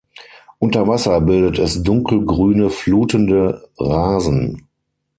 Unter Wasser bildet es dunkel-grüne flutende Rasen.